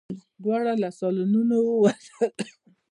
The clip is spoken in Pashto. دواړه له سالونه ووتل.